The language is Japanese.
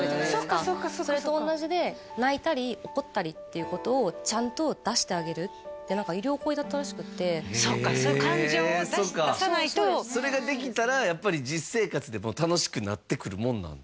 そっかそっかそっかそっかそれと同じで泣いたり怒ったりっていうことをちゃんと出してあげるって何か医療行為だったらしくってへえそうかそういう感情を出さないとそれができたらやっぱり実生活でも楽しくなってくるもんなんですか？